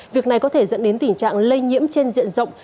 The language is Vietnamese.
việc này có thể dẫn đến tình trạng lây nhiễm trên diện rộng